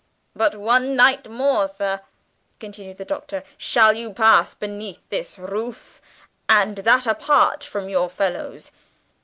"But one night more, sir," continued the Doctor, "shall you pass beneath this roof, and that apart from your fellows.